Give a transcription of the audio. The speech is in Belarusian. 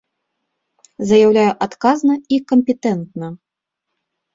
Заяўляю адказна і кампетэнтна!